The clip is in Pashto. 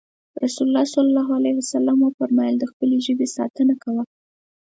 رسول الله ص وفرمايل د خپلې ژبې ساتنه کوه.